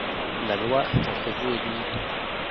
La loi est entre vous et lui.